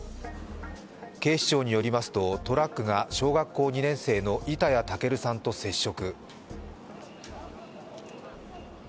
警視庁によりますとトラックが小学２年生の板谷武瑠さんと接触。